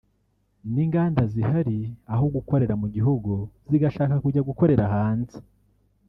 n’inganda zihari aho gukorera mu gihugu zigashaka kujya gukorera hanze